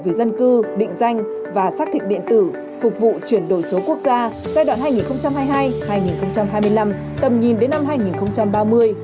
về dân cư định danh và xác thực điện tử phục vụ chuyển đổi số quốc gia giai đoạn hai nghìn hai mươi hai hai nghìn hai mươi năm tầm nhìn đến năm hai nghìn ba mươi